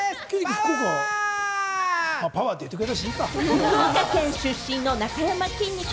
福岡県出身のなかやまきんに君。